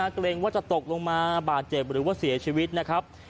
เกรงว่าจะตกลงมาบาดเจ็บหรือว่าเสียชีวิตนะครับ